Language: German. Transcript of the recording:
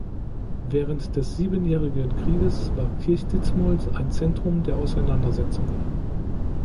Während des Siebenjährigen Krieges war Kirchditmold ein Zentrum der Auseinandersetzungen.